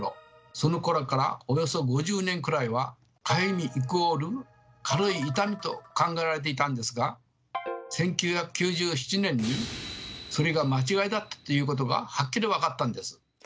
そのころからおよそ５０年くらいはかゆみイコール軽い痛みと考えられていたんですが１９９７年にそれが間違いだったということがはっきり分かったんです。